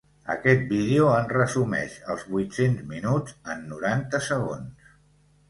Aquest vídeo en resumeix els vuit-cents minuts en noranta segons.